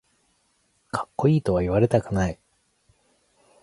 かっこいいとは言われたくない